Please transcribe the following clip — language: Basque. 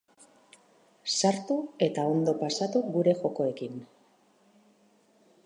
Sartu eta ondo pasatu gure jokoekin!